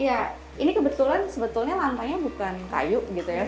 iya ini kebetulan sebetulnya lantainya bukan kayu gitu ya